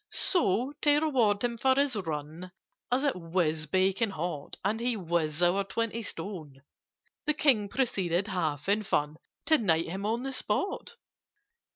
"So, to reward him for his run (As it was baking hot, And he was over twenty stone), The King proceeded, half in fun, To knight him on the spot."